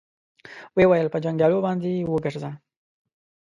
ويې ويل: په جنګياليو باندې وګرځه.